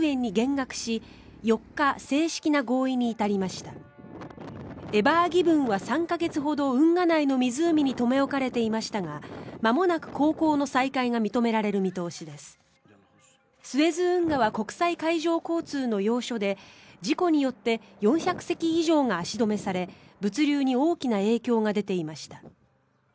スエズ運河は国際海上交通の要所で事故によって４００隻以上が足止めされ物流に大きな影響が出ていました。